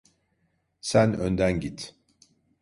Sen önden git.